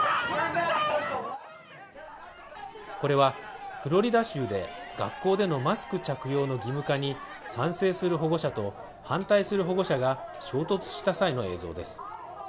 これはフロリダ州で学校でのマスク着用の義務化に賛成する保護者と反対する保護者が衝突した際の映像です